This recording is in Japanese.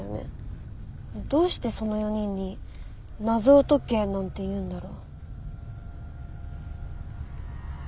どうしてその４人に謎を解けなんて言うんだろ。